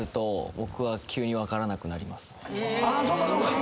そうかそうか。